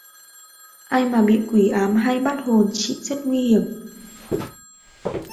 Ai mà bị quỷ ám hay bắt hồn chị rất nguy hiểm